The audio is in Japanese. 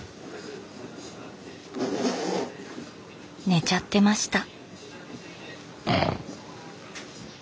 寝ちゃってました。